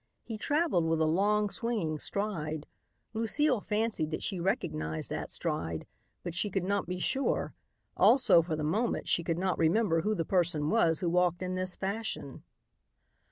He traveled with a long, swinging stride. Lucile fancied that she recognized that stride, but she could not be sure; also, for the moment she could not remember who the person was who walked in this fashion.